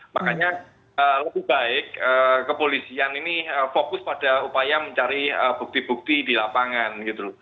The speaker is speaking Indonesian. makanya lebih baik kepolisian ini fokus pada upaya mencari bukti bukti di lapangan gitu